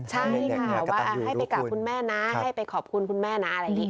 ใช่ค่ะว่าให้ไปกราบคุณแม่นะให้ไปขอบคุณคุณแม่นะอะไรอย่างนี้